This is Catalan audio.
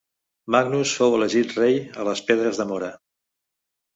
Magnus fou elegit rei a les Pedres de Mora.